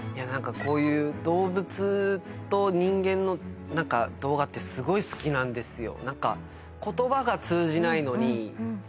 こういう動物と人間の動画ってすごい好きなんですよ。